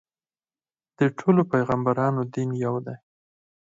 د ټولو پیغمبرانو دین یو دی.